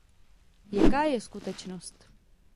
Jaká je skutečnost?